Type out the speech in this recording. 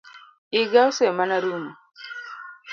Iga ose mana rumo